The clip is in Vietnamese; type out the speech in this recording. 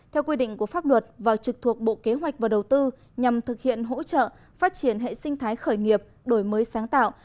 theo quy định của pháp luật và trực thuộc bộ kế hoạch và đầu tư nhằm thực hiện hỗ trợ phát triển hệ sinh thái khởi nghiệp đổi mới sáng tạo